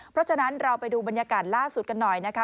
เพราะฉะนั้นเราไปดูบรรยากาศล่าสุดกันหน่อยนะคะ